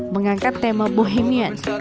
mengangkat tema bohemian